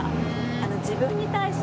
あの自分に対して。